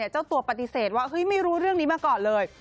เจ้าตัวปฏิเสธว่าไม่รู้เรื่องนี้มาก่อนเลย